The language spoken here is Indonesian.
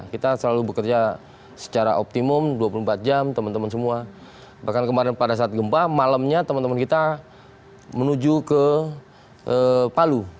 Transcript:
kita selalu bekerja secara optimum dua puluh empat jam teman teman semua bahkan kemarin pada saat gempa malamnya teman teman kita menuju ke palu